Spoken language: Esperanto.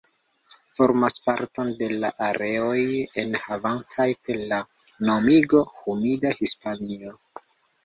Formas parton de la areoj enhavantaj per la nomigo "humida Hispanio".